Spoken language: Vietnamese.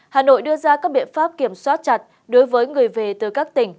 hà nội đưa ra các biện pháp kiểm soát chặt đối với người về từ các tỉnh